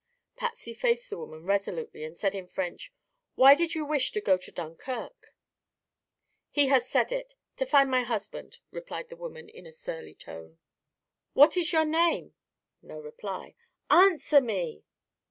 Patsy faced the woman resolutely and said in French: "Why did you wish to get to Dunkirk?" "He has said it. To find my husband," replied the woman in a surly tone. "What is your name?" No reply. "Answer me!"